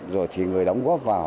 rồi thì người đóng góp vào